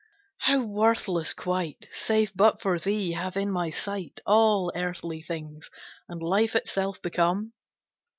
How worthless quite, Save but for thee, have in my sight All earthly things, and life itself become!